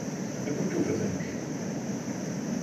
E por que o facemos?